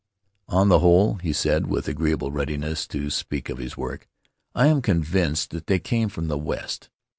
"On the whole," he said, with agreeable readiness to speak of his work, "I am convinced that they came from the west.